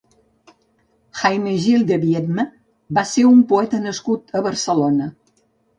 Jaime Gil de Biedma va ser un poeta nascut a Barcelona.